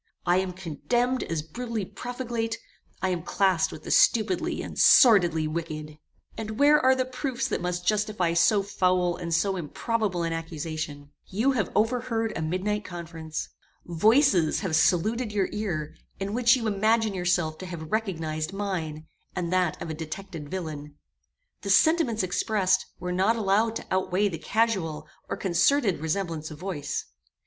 I am condemned as brutally profligate: I am classed with the stupidly and sordidly wicked. "And where are the proofs that must justify so foul and so improbable an accusation? You have overheard a midnight conference. Voices have saluted your ear, in which you imagine yourself to have recognized mine, and that of a detected villain. The sentiments expressed were not allowed to outweigh the casual or concerted resemblance of voice.